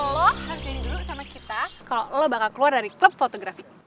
lo harus jadi dulu sama kita kalau lo bakal keluar dari klub fotografik